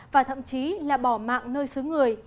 và thậm chí là bỏ mạng nơi xứ người